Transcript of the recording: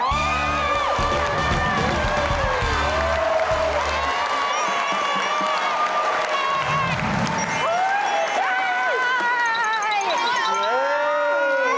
เย้